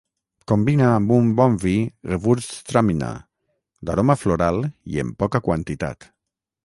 Combina amb un bon vi Gewürztraminer, d'aroma floral i en poca quantitat.